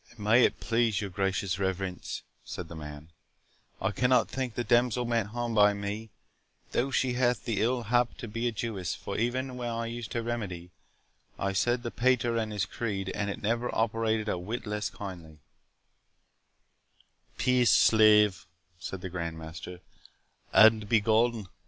"And may it please your gracious Reverence," said the man, "I cannot think the damsel meant harm by me, though she hath the ill hap to be a Jewess; for even when I used her remedy, I said the Pater and the Creed, and it never operated a whit less kindly—" "Peace, slave," said the Grand Master, "and begone!